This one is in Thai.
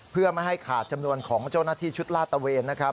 เพื่อไม่ให้ขาดจำนวนของเจ้าหน้าที่ชุดลาดตะเวนนะครับ